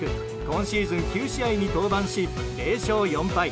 今シーズン９試合に登板し０勝４敗。